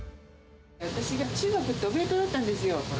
私が中学って、お弁当だったんですよ。